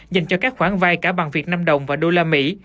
dành cho các khoản vay cả bằng việt nam đồng và đô la mỹ